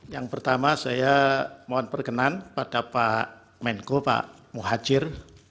yang pertama saya mohon perkenan pada pak menko pak muhajir